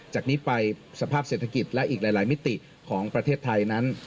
จากนี้ไปสภาพเศรษฐกิจและอีกหลายมิติของประเทศไทยนั้น